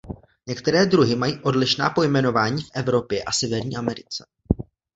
Některé druhy mají odlišná pojmenování v Evropě a Severní Americe.